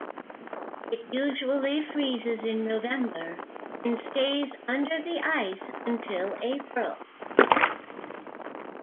It usually freezes in November and stays under the ice until April.